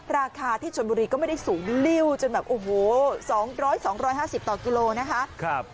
ราคาที่ชนบุรีก็ไม่ได้สูงริ้วจนแบบโอ้โห๒๐๐๒๕๐ต่อกิโลนะคะ